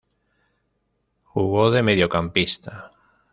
Jugó de mediocampista.